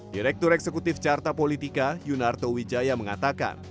direktur eksekutif carta politika yunarto wijaya mengatakan